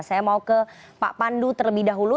saya mau ke pak pandu terlebih dahulu